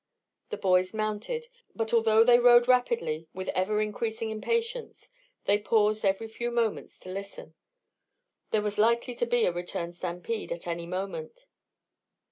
The boys mounted; but although they rode rapidly, with ever increasing impatience, they paused every few moments to listen; there was likely to be a return stampede at any moment.